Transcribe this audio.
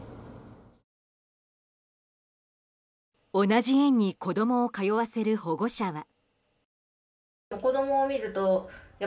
同じ園に子供を通わせる保護者は。